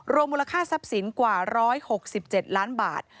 มูลค่าทรัพย์สินกว่า๑๖๗ล้านบาท